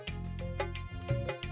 mas rangga mau bantu